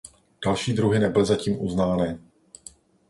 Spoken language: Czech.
Další druhy nebyly zatím uznány.